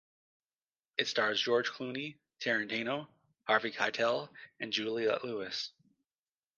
It stars George Clooney, Tarantino, Harvey Keitel and Juliette Lewis.